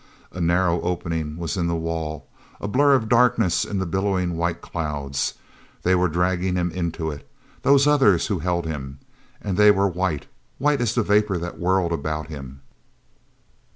A narrow opening was in the wall, a blur of darkness in the billowing white clouds. They were dragging him into it, those others who held him, and they were white—white as the vapor that whirled about him.